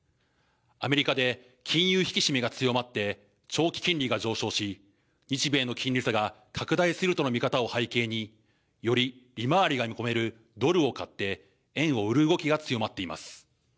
アメリカで金融引き締めが強まって長期金利が上昇し日米の金利差が拡大するとの見方を背景により利回りが見込めるドルを買って円を売る動きが強まっています。